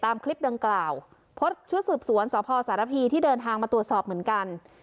ตามคลิปดังกล่าวโพสต์ชุดสืบสวนสพสารพีที่เดินทางมาตรวจสอบเหมือนกัน